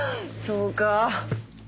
そうか。